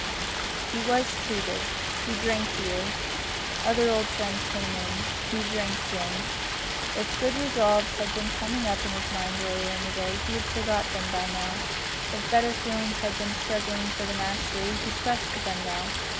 He was "treated." He drank beer. Other old friends came in. He drank gin. If good resolves had been coming up in his mind earlier in the day he forgot them now. If better feelings had been struggling for the mastery, he crushed them now.